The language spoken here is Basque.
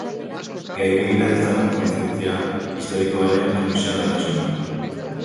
Gainbegira dezagun kontzientzia historikoaren transmisio-gaitasuna.